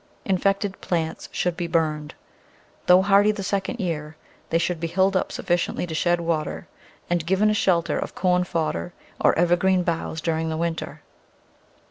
Infected plants should be burned. Though hardy the second year, they should be hilled up sufficiently to shed water and given a shelter of corn fodder or evergreen boughs during the winter.